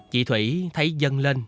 chị thủy thấy dân lên